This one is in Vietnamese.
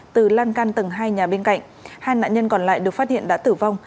từ lan căn tầng hai nhà bên cạnh hai nạn nhân còn lại được phát hiện đã tử vong